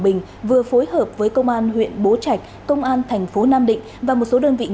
bình vừa phối hợp với công an huyện bố trạch công an thành phố nam định và một số đơn vị